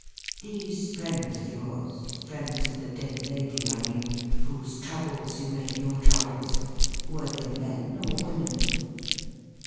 'These friends of yours — friends of the dead lady, I mean, whose troubles you make your troubles — were they men or women